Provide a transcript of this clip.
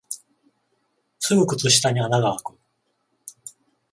すぐ靴下に穴があく